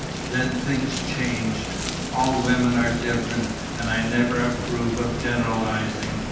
"Then things changed. All women are different and I never approved of generalizing.